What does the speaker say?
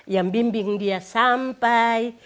yang bimbing dia sampai